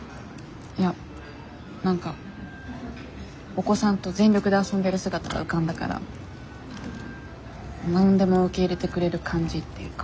いや何かお子さんと全力で遊んでる姿が浮かんだから何でも受け入れてくれる感じっていうか。